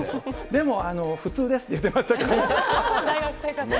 でも、普通ですって言ってま大学生活ね。